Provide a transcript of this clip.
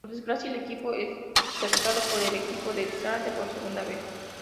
Por desgracia, el equipo es derrotado por el equipo de Slade por segunda vez.